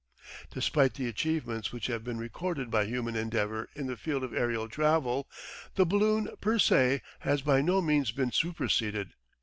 Despite the achievements which have been recorded by human endeavour in the field of aerial travel, the balloon per se has by no means been superseded.